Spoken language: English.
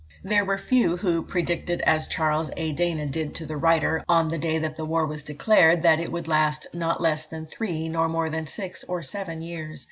There were few who predicted as Charles A. Dana did to the writer, on the day that war was declared that it would last "not less than three, nor more than six or seven years."